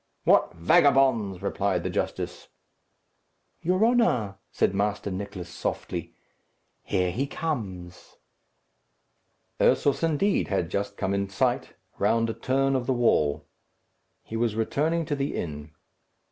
"What vagabonds!" replied the justice. "Your honour," said Master Nicless, softly, "here he comes." Ursus, indeed, had just come in sight, round a turn of the wall. He was returning to the inn.